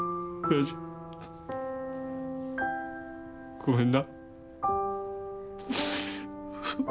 ごめんな。